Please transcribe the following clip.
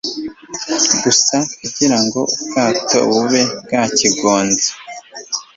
gusa kugira ngo ubwato bube bwakigonze